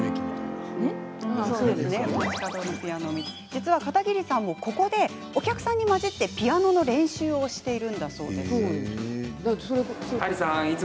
実は、片桐さんもここでお客さんに交じってピアノの練習をするんだそうです。